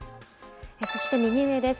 そして、右上です。